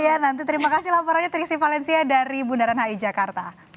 iya nanti terima kasih laporannya trisy valencia dari bundaran hi jakarta